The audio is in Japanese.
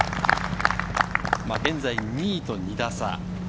現在２位と２打差。